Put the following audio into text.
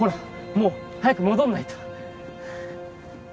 もう早く戻んないと！